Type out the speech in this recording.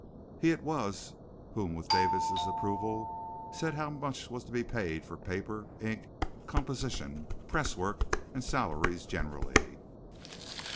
He it was who with Davis' approval said how much was to be paid for paper, ink, composition, press work, and salaries generally.